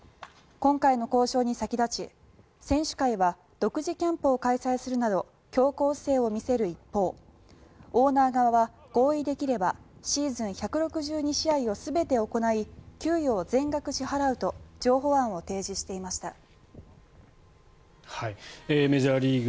今回の交渉に先立ち選手会は独自キャンプを開催するなど強硬姿勢を見せる一方オーナー側は合意できればシーズン１６２試合を全て行い給与を全額支払うと譲歩案を提示していました。